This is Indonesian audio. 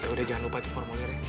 udah jangan lupa itu formulirnya